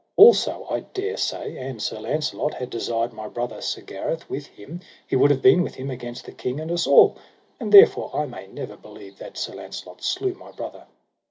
Also I dare say, an Sir Launcelot had desired my brother Sir Gareth, with him he would have been with him against the king and us all, and therefore I may never believe that Sir Launcelot slew my brother.